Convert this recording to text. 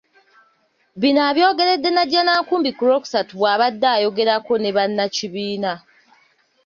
Bino abyogeredde Najjanankumbi ku Lwokusatu bw'abadde ayogerako ne bannakibiina.